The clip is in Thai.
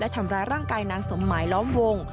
ทำร้ายร่างกายนางสมหมายล้อมวง